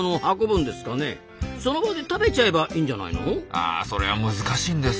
あそれは難しいんです。